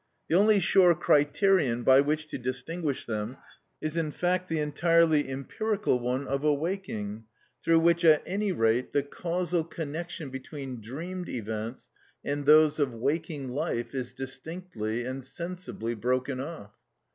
The only sure criterion by which to distinguish them is in fact the entirely empirical one of awaking, through which at any rate the causal connection between dreamed events and those of waking life, is distinctly and sensibly broken off.